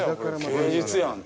芸術やん。